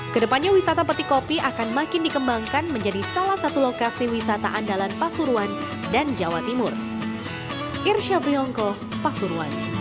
kedepannya wisata peti kopi akan makin dikembangkan menjadi salah satu lokasi wisata andalan pasuruan dan jawa timur